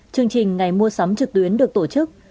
chương trình ngày mua sắm trực tuyến được tổ chức